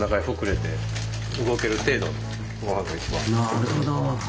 なるほど。